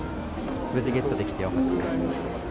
無事ゲットできてよかったです。